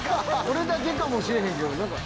俺だけかもしれへんけど何か。